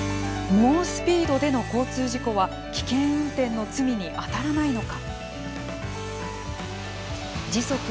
猛スピードでの交通事故は危険運転の罪に当たらないのか。